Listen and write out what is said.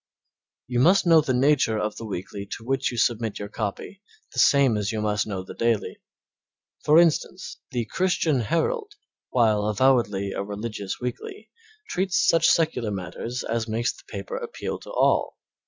You must know the nature of the weekly to which you submit your copy the same as you must know the daily. For instance, the Christian Herald, while avowedly a religious weekly, treats such secular matter as makes the paper appeal to all.